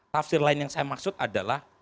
tafsir lain yang saya maksud adalah